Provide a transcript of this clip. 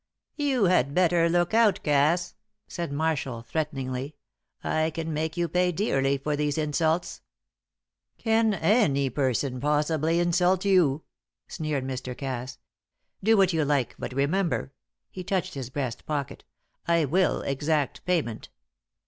"You had better look out Cass," said Marshall, threateningly. "I can make you pay dearly for these insults." "Can any person possibly insult you?" sneered Mr. Cass. "Do what you like, but remember" he touched his breast pocket "I will exact payment.